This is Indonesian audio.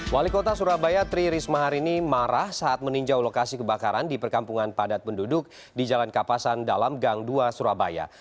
wali kota surabaya tri risma hari ini marah saat meninjau lokasi kebakaran di perkampungan padat penduduk di jalan kapasan dalam gang dua surabaya